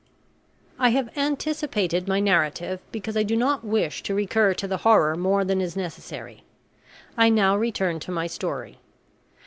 I have anticipated my narrative because I do not wish to recur to the horror more than is necessary. I now return to my story.